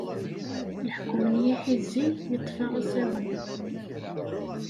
Leḥkem n yiḥizi yeṭṭef-aɣ asawen.